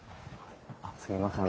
すみません。